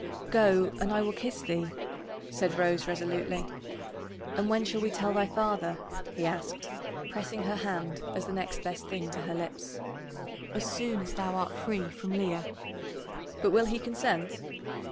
"Go, and I will kiss thee," said Rose resolutely. "And when shall we tell thy father?" he asked, pressing her hand, as the next best thing to her lips. "As soon as thou art free from Leah." "But will he consent?"